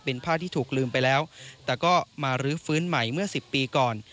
เป็นผ้าที่ถูกลืมไปแล้วแต่ก็มารื้อฟื้นใหม่เมื่อ๑๐ปีก่อน